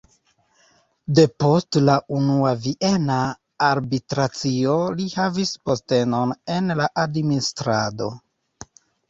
Depost la Unua Viena Arbitracio li havis postenon en la administrado.